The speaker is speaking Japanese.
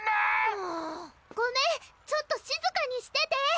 もうごめんちょっとしずかにしてて！